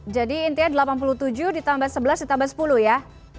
jadi intinya delapan puluh tujuh ditambah sebelas ditambah sepuluh ya